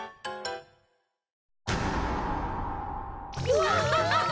うわ！